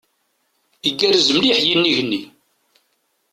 Igerrez mliḥ yinig-nni.